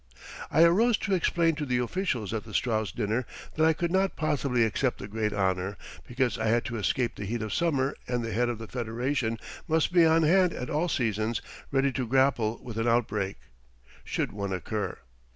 I arose to explain to the officials at the Straus dinner that I could not possibly accept the great honor, because I had to escape the heat of summer and the head of the Federation must be on hand at all seasons ready to grapple with an outbreak, should one occur.